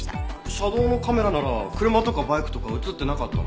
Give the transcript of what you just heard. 車道のカメラなら車とかバイクとか映ってなかったの？